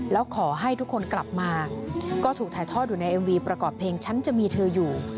แล้วขอให้ทุกคนกลับมาก็ถูกถ่ายทอดอยู่ในเอ็มวีประกอบเพลงฉันจะมีเธออยู่